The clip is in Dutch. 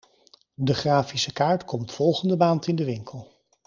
De grafische kaart komt volgende maand in de winkel.